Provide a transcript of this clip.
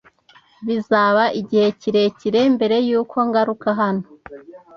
Bizaba igihe kirekire mbere yuko ngaruka hano